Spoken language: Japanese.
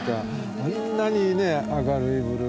あんなに明るいブルー。